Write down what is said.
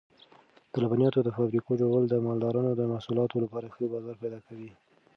د لبنیاتو د فابریکو جوړول د مالدارانو د محصولاتو لپاره ښه بازار پیدا کوي.